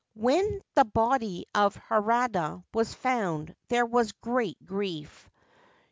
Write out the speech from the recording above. When the body of Harada was found there was great grief.